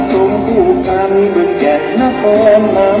ขอห้องแก่งแก่งแก่งแก่งบุริน